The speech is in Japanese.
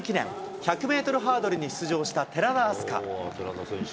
１００メートルハードルに出場した寺田明日香。